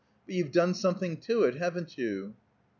But you've done something to it, haven't you?"